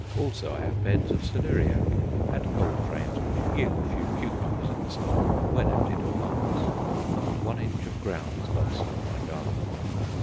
Also I have beds of celeriac, and cold frames which yield a few cucumbers in the summer when emptied of plants. Not one inch of ground is lost in my garden.